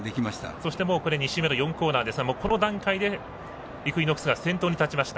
そして２周目の４コーナーですがこの段階でイクイノックスが先頭に立ちました。